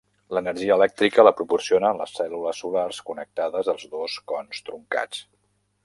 L'energia elèctrica la proporcionen les cèl·lules solars connectades als dos cons truncats.